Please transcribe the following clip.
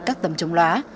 các tấm trồng lóa